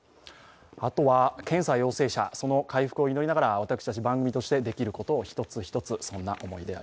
あとは検査陽性者の回復を祈りながら、私たち、番組として、できることを１つ１つ、そんな思いです。